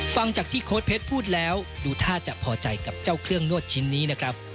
ฟังจากที่โค้ดเพชรพูดแล้วดูท่าจะพอใจกับเจ้าเครื่องนวดชิ้นนี้นะครับ